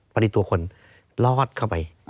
ปฏิตัวคนรอดเข้าไป